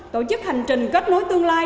tổ chức hành trình kết nối tương lai